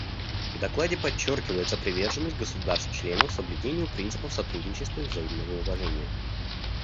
В докладе подчеркивается приверженность государств-членов соблюдению принципов сотрудничества и взаимного уважения.